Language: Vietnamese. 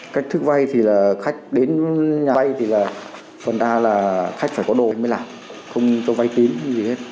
cách thức vay thì là khách đến nhà vay thì là phần đa là khách phải có đồ mới làm không cho vay tín gì hết